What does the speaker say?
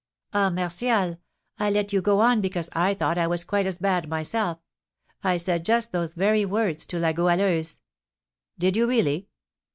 "Ah, Martial, I let you go on because I thought I was quite as bad myself. I said just those very words to La Goualeuse." "Did you, really?"